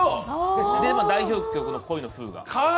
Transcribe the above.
代表曲の「恋のフーガ」